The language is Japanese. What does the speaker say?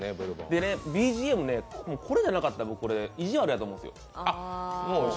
でね、ＢＧＭこれじゃなかったら意地悪だと思うんですよ。